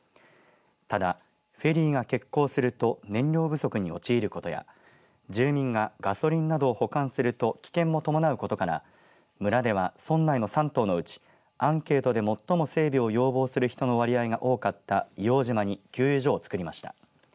ただフェリーが欠航すると燃料不足に陥ることや住民がガソリンなどを保管すると危険を伴うことから村では村内の３島のうちアンケートで最も整備を要望する人の割合が多かった硫黄島に給油所をつくりました。